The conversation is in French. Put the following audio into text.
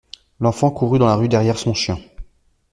L'enfant courut dans la rue derrière son chien.